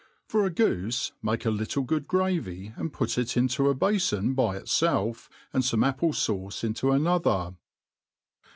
FOR a goofe make a little good gravy,^ and put it into ^. i^afon by itfelf^ and fome apple*fauce into another.